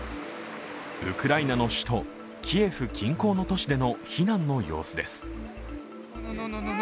ウクライナの首都キエフ近郊の都市での避難の様子です。